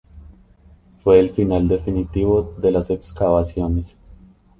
Fue el final definitivo de las excavaciones.